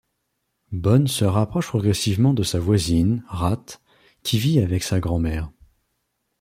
Bones se rapproche progressivement de sa voisine, Rat, qui vit avec sa grand-mère.